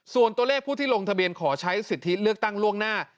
ส่วนตัวเลขผู้ที่ลงทะเบียนขอใช้สิทธิเลือกตั้งล่วงหน้า